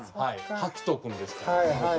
拍都君ですから。